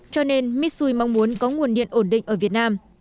cho nên mitsui mong muốn có nguồn điện ổn định ở việt nam